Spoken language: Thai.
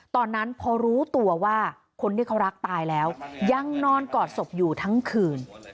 ตอนนั้นพอรู้ตัวว่าคนที่เขารักตายแล้วยังนอนกอดศพอยู่ทั้งคืน